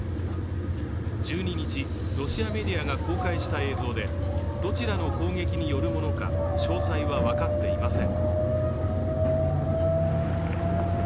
１２日、ロシアメディアが公開した映像でどちらの攻撃によるものか詳細は分かっていません。